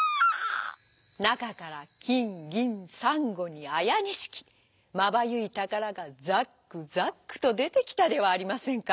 なかからきんぎんさんごにあやにしきまばゆいたからがざっくざっくとでてきたではありませんか。